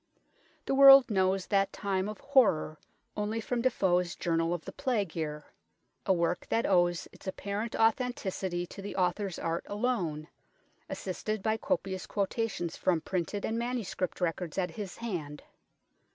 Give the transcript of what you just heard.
The world knows that time of horror only from Defoe's Journal of the Plague Year, a work that owes its apparent authenticity to the author's art alone, assisted by copious quotations from printed and manuscript records at his hand.